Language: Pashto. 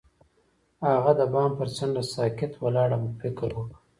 هغه د بام پر څنډه ساکت ولاړ او فکر وکړ.